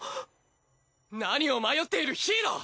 何を迷っているヒイロ。